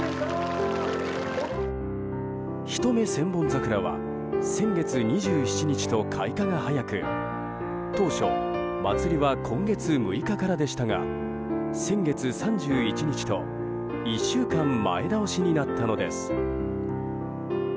一目千本桜は先月２７日と開花が早く当初、祭りは今月６日からでしたが先月３１日と１週間前倒しになったのです。